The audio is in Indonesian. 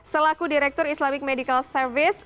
selaku direktur islamic medical service